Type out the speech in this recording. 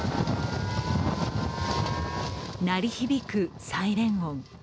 鳴り響くサイレン音。